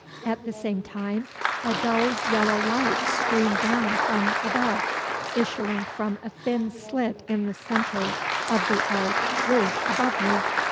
At the same time a dull yellow light streamed down from above, issuing from a thin slit in the centre of the arched roof above me.